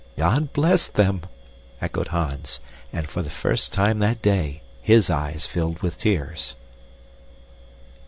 "God bless them!" echoed Hans, and for the first time that day his eyes filled with tears.